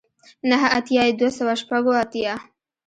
نه اتیای دوه سوه شپږ اوه اتیا